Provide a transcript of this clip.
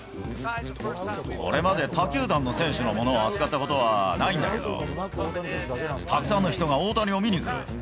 これまで他球団の選手のものを扱ったことはないんだけど、たくさんの人が大谷を見に来る。